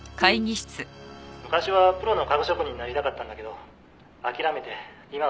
「昔はプロの家具職人になりたかったんだけど諦めて今は」